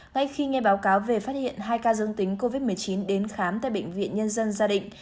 ngay khi nghe báo cáo về phát hiện hai ca dương tính covid một mươi chín đến khám tại bệnh viện nhân dân gia định